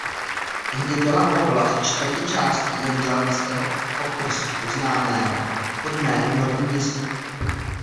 Tehdy byla oblast čtvrti částí jeruzalémského okrsku známého pod jménem „Horní Město“.